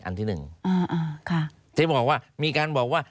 อันที่หนึ่งที่บอกว่ามีการบอกว่า